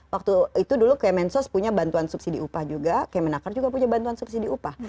waktu itu dulu kemensos punya bantuan subsidi upah juga kemenaker juga punya bantuan subsidi upah